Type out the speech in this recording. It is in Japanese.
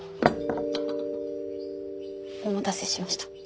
お待たせしました